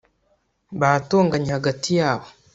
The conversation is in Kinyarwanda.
batonganye hagati yabo